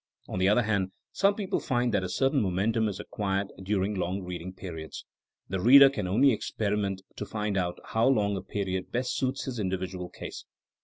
On the other hand, some people find that a certain momentum is acquired during long reading periods. The reader can only experi ment to find how long a period best suits his in dividual case.